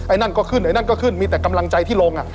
นั่นก็ขึ้นไอ้นั่นก็ขึ้นมีแต่กำลังใจที่ลง